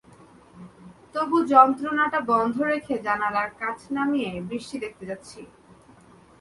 তবু যন্ত্রটা বন্ধ রেখে জানালার কাচ নামিয়ে বৃষ্টি দেখতে দেখতে যাচ্ছি।